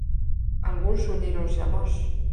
Algúns uníronse a nós.